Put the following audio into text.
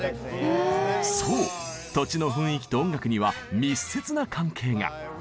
そう土地の雰囲気と音楽には密接な関係が。